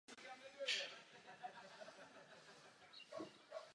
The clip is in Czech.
Bezpečnost je Achillovou patou našich počítačových systémů.